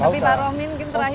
tapi pak romin mungkin terakhir ya